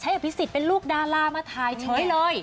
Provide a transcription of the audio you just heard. ใช้อภิสิษฐ์เป็นลูกดารามาทายเฉยเลย